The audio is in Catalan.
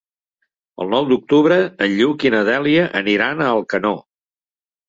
El nou d'octubre en Lluc i na Dèlia aniran a Alcanó.